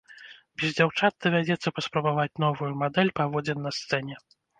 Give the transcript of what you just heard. Без дзяўчат давядзецца паспрабаваць новую мадэль паводзін на сцэне!